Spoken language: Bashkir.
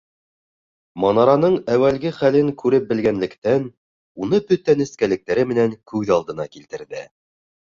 Манараның әүәлге хәлен күреп белгәнлектән, уны бөтә нескәлектәре менән күҙ алдына килтерҙе.